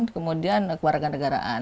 kemudian warga negaraan